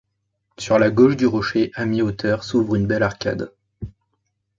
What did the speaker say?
Sur la gauche du rocher, à mi-hauteur, s’ouvre une belle arcade.